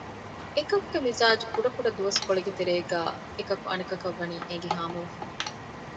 އެކަކުގެ މިޒާޖު ކުޑަ ކުޑަ ދުވަސްކޮޅެއްގެ ތެރޭގައި އެކަކު އަނެކަކަށް ވަނީ އެނގި ހާމަވެފަ